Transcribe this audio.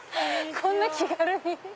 こんな気軽に。